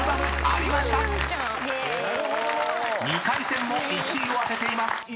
［２回戦も１位を当てています］